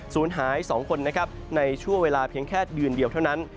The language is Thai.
ซูนหาย๒คนในชั่วเวลาเพียงแค่ดื่นเดียวเท่านั้น